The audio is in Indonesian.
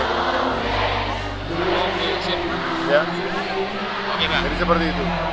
jadi seperti itu